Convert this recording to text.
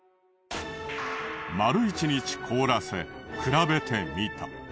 丸一日凍らせ比べてみた。